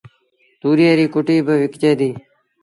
تُوريئي ريٚ ڪُٽيٚ با وڪجي ديٚ